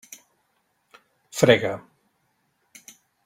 Frega.